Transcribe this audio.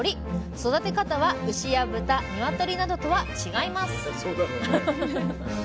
育て方は牛や豚鶏などとは違います